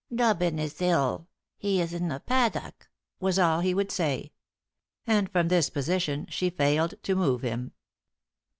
"Dobbin is ill; he is in the paddock," was all that he would say. And from this position she failed to move him.